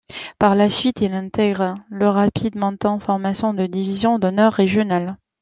Par la suite il intègre le Rapid Menton, formation de division d'honneur régionale.